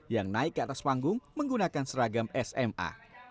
yang naik ke atas panggung menggunakan seragam sma